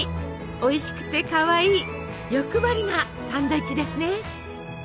おいしくてかわいい欲張りなサンドイッチですね。